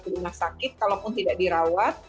mereka sudah pernah sakit kalaupun tidak dirawat